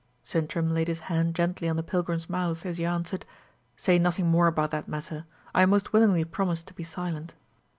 Sintram laid his hand gently on the pilgrim's mouth, as he answered, "Say nothing more about that matter: I most willingly promise to be silent."